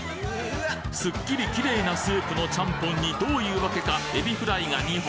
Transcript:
すっきりキレイなスープのちゃんぽんにどういう訳かエビフライが２本。